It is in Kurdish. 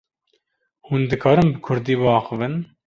Hûn dikarin bi Kurdî biaxivin?